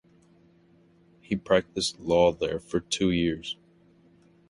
He practiced law there for two years.